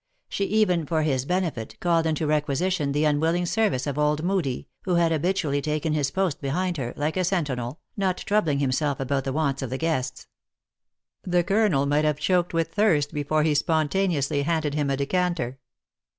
She even, for his benefit, called into requisition the unwilling service of old Moodie, who had habitually taken his post behind her, like a sentinel, not troubling himself about the 30 THE ACTKESS IN HIGH LIFE. wants of the guests. The colonel might have choked with thirst before he spontaneously handed him a decanter.